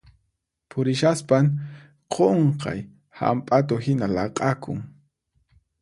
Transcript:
Purishaspan qunqay hamp'atu hina laq'akun.